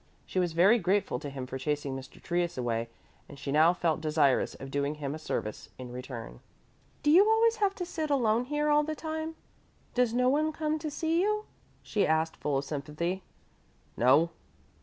She was very grateful to him for chasing Mr. Trius away and she now felt desirous of doing him a service in return. "Do you always have to sit alone here all the time? Does no one come to see you?" she asked, full of sympathy. "No."